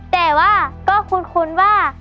แต่ว่าก็คุ้นว่า